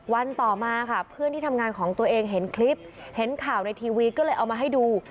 วันต่อมาค่ะเพื่อนที่ทำงานของตัวเองเห็นคลิปเห็นข่าวในทีวีก็เลยเอามาให้ดู